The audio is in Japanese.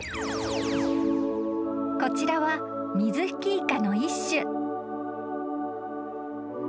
［こちらはミズヒキイカの一種］